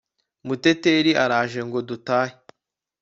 muteteri araje ngo dutahe